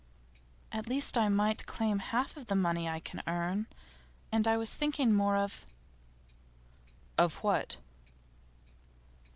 'At least I might claim half the money I can earn. And I was thinking more of ' 'Of what?